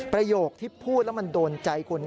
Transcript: ประโยคที่พูดแล้วมันโดนใจคุณ